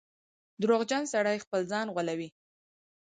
• دروغجن سړی خپل ځان غولوي.